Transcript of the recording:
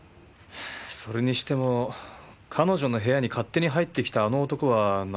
それにしても彼女の部屋に勝手に入ってきたあの男は何者なんでしょうねえ。